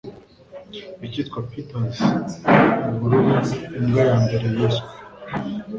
Icyitwa Peters Ubururu Imbwa Yambere Yiswe